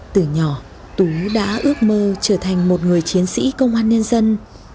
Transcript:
từ nhỏ tú đã ước mơ trở thành một người chiến sĩ công an nhân dân